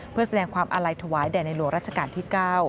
เพื่อแสดงความอาลัยถวายแด่ในหลวงรัชกาลที่๙